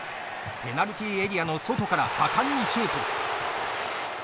ペナルティーエリアの外から果敢にシュート。